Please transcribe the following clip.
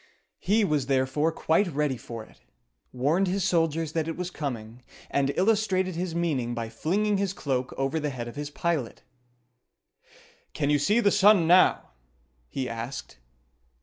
He was therefore quite ready for it, warned his soldiers that it was coming, and illustrated his meaning by flinging his cloak over the head of his pilot. "Can you see the sun now?" he asked.